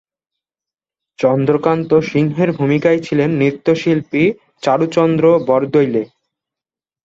চন্দ্রকান্ত সিংহের ভূমিকায় ছিলেন নৃত্যশিল্পী চারুচন্দ্র বরদলৈ।